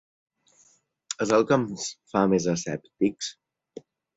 És el que ens fa més escèptics?